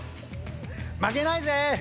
負けないぜ！